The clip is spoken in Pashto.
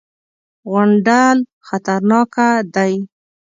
_غونډل خطرناکه دی.